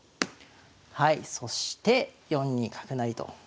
はいそして４二角成と。